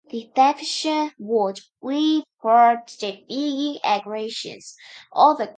This definition would play a part in defining aggression as a crime against peace.